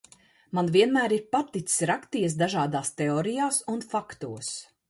Man vienmēr ir paticis rakties dažādās teorijās un faktos.